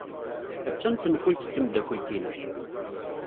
Attan tenfult n tmeddakelt-inu.